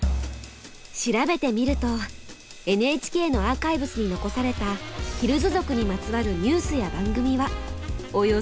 調べてみるとＮＨＫのアーカイブスに残されたヒルズ族にまつわるニュースや番組はおよそ１５時間。